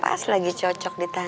pas lagi cocok ditanya